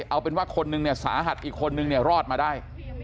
เอาเป็นคนหนึ่งเนี่ยสาหัสอีกคนหรอดมาได้